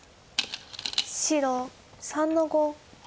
白３の五。